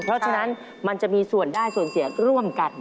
เพราะฉะนั้นมันจะมีส่วนได้ส่วนเสียร่วมกัน